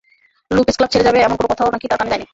Lopez club ছেড়ে যাবে, এমন কোনো কথাও নাকি তাঁর কানে যায়নি।